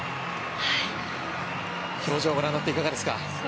表情をご覧になっていかがですか。